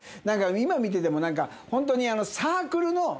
何か今見ててもホントにサークルの。